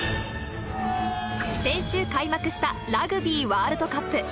先週開幕したラグビーワールドカップ。